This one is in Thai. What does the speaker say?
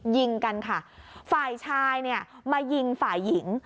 ยิงกันค่ะฝ่ายชายเนี่ยมายิงฝ่ายหญิง